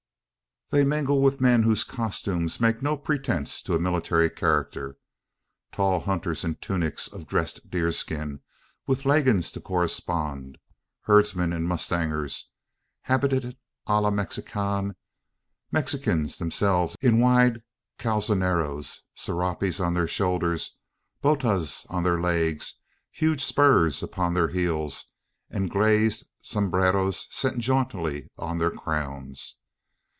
They mingle with men whose costumes make no pretence to a military character: tall hunters in tunics of dressed deerskin, with leggings to correspond herdsmen and mustangers, habited a la Mexicaine Mexicans themselves, in wide calzoneros, serapes on their shoulders, botas on their legs, huge spurs upon their heels, and glazed sombreros set jauntily on their crowns.